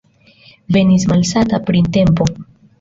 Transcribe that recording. Venis malsata printempo.